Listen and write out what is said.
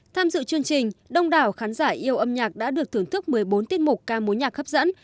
tham dự chương trình đông đảo khán giả yêu âm nhạc đã được thưởng thức một mươi bốn tiết mục ca mối nhạc hấp dẫn